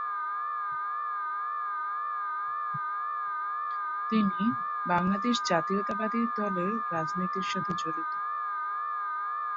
তিনি বাংলাদেশ জাতীয়তাবাদী দলের রাজনীতির সাথে জড়িত।